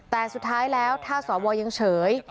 แต่สุดท้ายแล้วถ้าสวยังเฉย